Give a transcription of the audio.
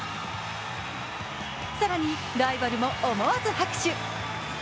更にライバルも思わず拍手。